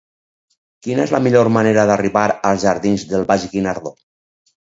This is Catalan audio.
Quina és la millor manera d'arribar als jardins del Baix Guinardó?